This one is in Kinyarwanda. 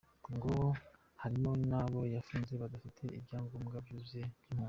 Ngo harimo n’abo yafunze badafite ibyangombwa byuzuye by’impunzi.